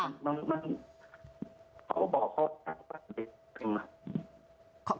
มันเขาบอกเขาอ้างป้านเด็กจริงอะ